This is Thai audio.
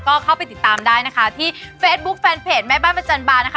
ก็เข้าไปติดตามได้นะคะที่เฟซบุ๊คแฟนเพจแม่บ้านประจันบานะคะ